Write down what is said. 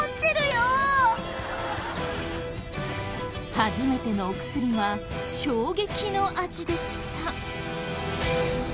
初めてのお薬は衝撃の味でした。